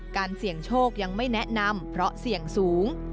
เสี่ยงโชคยังไม่แนะนำเพราะเสี่ยงสูง